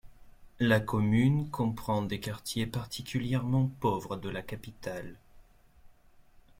La commune comprend des quartiers particulièrement pauvres de la capitale.